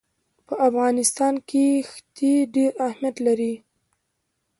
په افغانستان کې ښتې ډېر اهمیت لري.